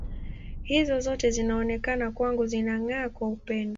Hizo zote zinaonekana kwangu zinang’aa kwa upendo.